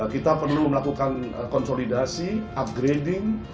kita perlu melakukan konsolidasi upgrading